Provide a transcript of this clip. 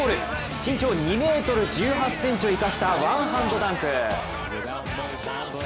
身長２ｍ１８ｃｍを生かしたワンハンドダンク。